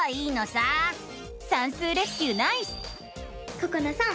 ここなさん